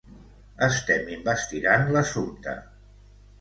Estem investigant l'assumpte.